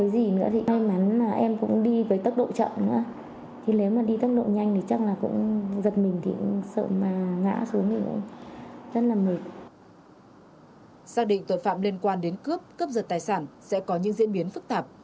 xác định tội phạm liên quan đến cướp cướp giật tài sản sẽ có những diễn biến phức tạp